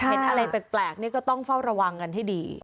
เห็นอะไรแปลกนี่ก็ต้องเฝ้าระวังกันให้ดี